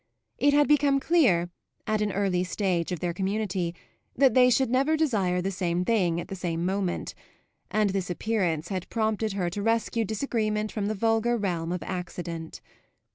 It had become clear, at an early stage of their community, that they should never desire the same thing at the same moment, and this appearance had prompted her to rescue disagreement from the vulgar realm of accident.